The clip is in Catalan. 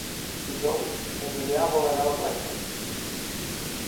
Dijous en Julià vol anar a la platja.